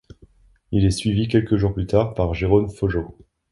Il est suivi quelques jours plus tard par Jérôme Phojo.